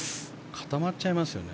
固まっちゃいますよね